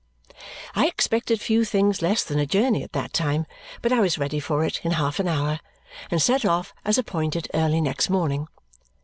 I expected few things less than a journey at that time, but I was ready for it in half an hour and set off as appointed early next morning.